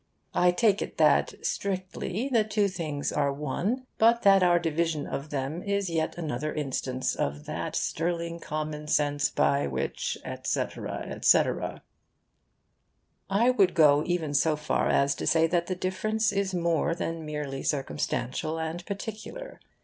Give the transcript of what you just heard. I take it that strictly the two things are one, but that our division of them is yet another instance of that sterling common sense by which, etc., etc. I would go even so far as to say that the difference is more than merely circumstantial and particular.